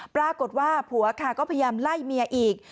ปรากฏว่าผัวค่ะก็พยายามไล่เมียอีก